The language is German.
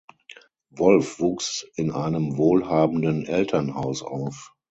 Wolf wuchs in einem wohlhabenden Elternhaus auf.